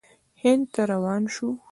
هند ته روان شو.